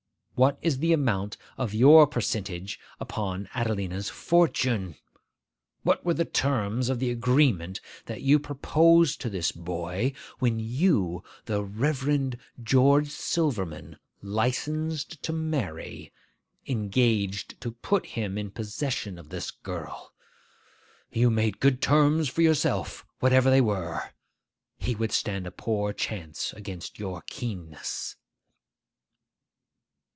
What is the amount of your percentage upon Adelina's fortune? What were the terms of the agreement that you proposed to this boy when you, the Rev. George Silverman, licensed to marry, engaged to put him in possession of this girl? You made good terms for yourself, whatever they were. He would stand a poor chance against your keenness.